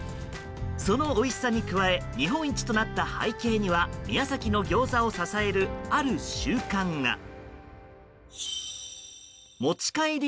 そのおいしさに加え日本一となった背景には宮崎のギョーザを支えるある習慣が。